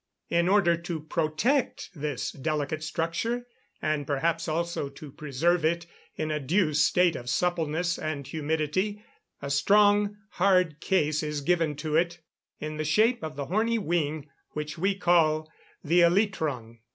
In order to protect this delicate structure, and, perhaps, also to preserve it in a due state of suppleness and humidity, a strong, hard case is given to it, in the shape of the horny wing which we call the elytron.